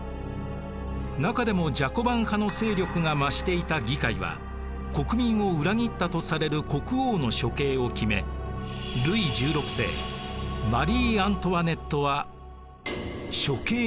中でもジャコバン派の勢力が増していた議会は国民を裏切ったとされる国王の処刑を決めルイ１６世マリー・アントワネットは処刑されました。